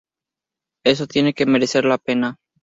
Eso tiene que merecer la pena.